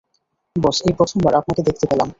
বস, এই প্রথমবার আপনাকে দেখতে পেলাম।